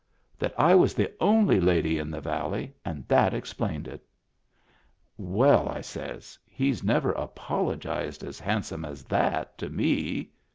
" That I was the only lady in the valley, and that explained it." " Well," I says, " he's never apologized as hand some as that to me."